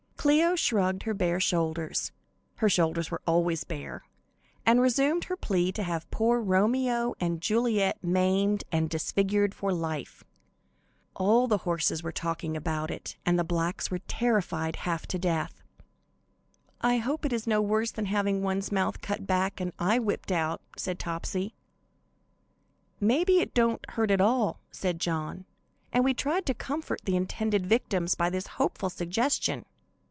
Cleo shrugged her bare shoulders her shoulders were always bare and resumed her plea to have poor Romeo and Juliet maimed and disfigured for life. All the horses were talking about it, and the blacks were terrified half to death. "I hope it is no worse than having one's mouth cut back and eye whipped out," said Topsy. "May be it don't hurt at all," said John, and we all tried to comfort the intended victims by this hopeful suggestion.